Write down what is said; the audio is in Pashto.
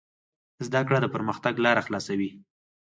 زده کړه د پرمختګ لاره خلاصوي.